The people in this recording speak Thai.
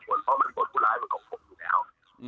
เพราะมันผลผู้ร้ายมันของผมอยู่แล้ว